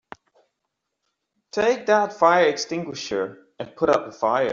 Take that fire extinguisher and put out the fire!